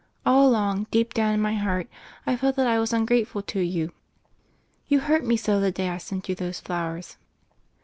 All along, deep down in my heart, I felt that I was ungrateful to you. You hurt me so the day I sent you those flowers."